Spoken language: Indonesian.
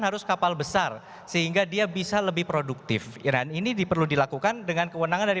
harus kapal besar sehingga dia bisa lebih produktif iran ini diperlukan dengan kewenangan dari